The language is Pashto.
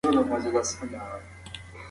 که خویندې تحقیق وکړي نو حقیقت به نه وي پټ.